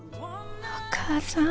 お母さん。